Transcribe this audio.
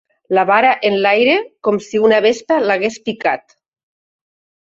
La vara enlaire, com si una vespa l'hagués picat.